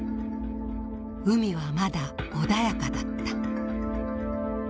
海はまだ穏やかだった。